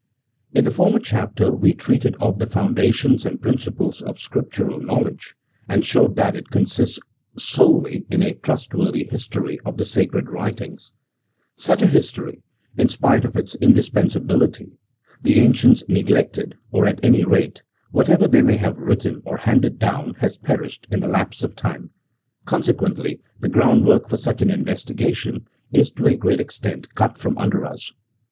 IN the former chapter we treated of the foundations and principles of Scriptural knowledge, and showed that it consists solely in a trustworthy history of the sacred writings ; such a history, in spite of its indispensability, the ancients neglected, or at any rate, whatever they may have written or handed down has perished in the lapse of time, consequently the groundwork for such an investiga tion is to a great extent, cut from under us.